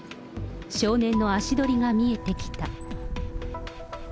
少年の足取りが見えてきた。